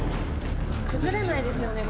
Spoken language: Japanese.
崩れないですよね？